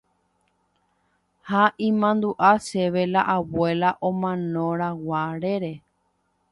ha imandu'a chéve la abuela omanorãguarére